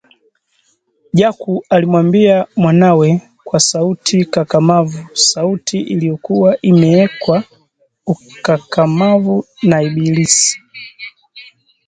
Jaku alimwambia mwanawe kwa sauti kakamavu, sauti iliyokuwa imeekwa ukakamavu na Ibilisi